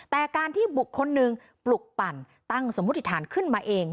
แต่การที่บุคคลหนึ่งปลุกปั่นตั้งสมมุติฐานขึ้นมาเอง